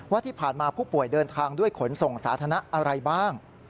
ว่าที่ผ่านมาผู้ป่วยเดินทางด้วยขนส่งสาธารณะอะไรบ้าง